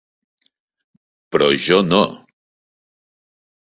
Però jo no!